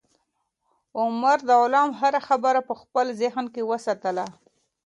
عمر د غلام هره خبره په خپل ذهن کې وساتله.